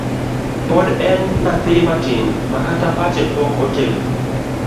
Pod en nyathi matin makata pache pok otegno.